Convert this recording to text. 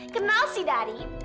kenal sih daddy